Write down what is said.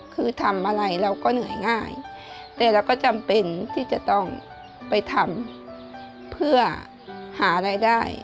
คือทำอะไรเราก็เหนื่อยง่ายแต่เราก็จำเป็นที่จะต้องไปทำเพื่อหารายได้